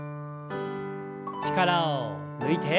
力を抜いて。